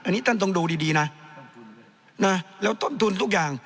อันนี้ท่านต้องดูดีดีนะนะแล้วต้นทุนทุกอย่าง